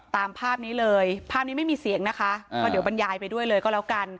ตามภาพนี้เลยภาพนี้ไม่มีเสียงนะคะก็เดี๋ยวบรรยายไปด้วยเลยก็แล้วกัน